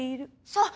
そう！